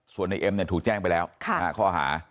ส่วนในเอ็มถูกแจ้งไปแล้ว๕ข้อหา